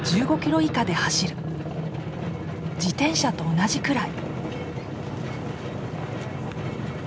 自転車と同じくらい。